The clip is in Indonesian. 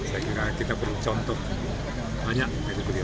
saya kira kita beri contoh banyak dari beliau